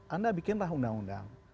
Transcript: anda bikinlah undang undang